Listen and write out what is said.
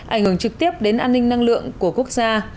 ảnh hưởng trực tiếp đến an ninh năng lượng của quốc gia